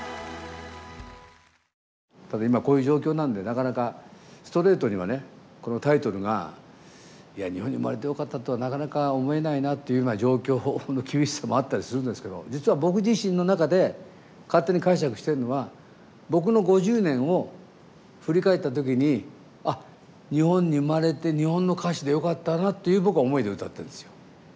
ただ今こういう状況なのでなかなかストレートにはねこのタイトルが「日本に生まれてよかった」とはなかなか思えないなっていうような状況の厳しさもあったりするんですけど実は僕自身の中で勝手に解釈してるのは僕の５０年を振り返った時に日本に生まれて日本の歌手でよかったなっていう僕は思いで歌ってるんですよ